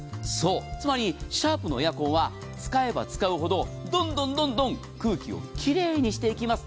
つまり、シャープのエアコンは使えば使うほど、どんどん空気を奇麗にしていきます。